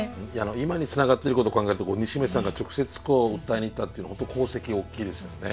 今につながってることを考えると西銘さんが直接こう訴えに行ったっていうのは本当功績大きいですよね。